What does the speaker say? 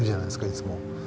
いつも。